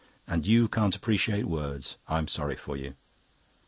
And you can't appreciate words. I'm sorry for you."